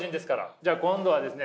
じゃあ今度はですね